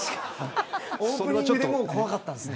オープニングでもう怖かったんですね。